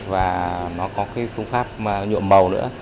và nó có cái phương pháp nhuộm màu nữa